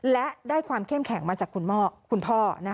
และได้ความเข้มแข็งมาจากคุณพ่อ